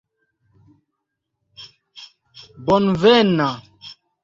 bonvena